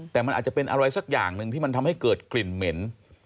แต่มันอาจจะเป็นอะไรสักอย่างหนึ่งที่มันทำให้เกิดกลิ่นเหม็น